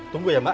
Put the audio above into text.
tunggu ya mbak